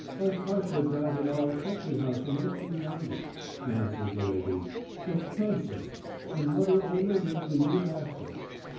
"Arkasha died at our country house in 1890," answered the lady, "of cancer. And mother only lived a year after.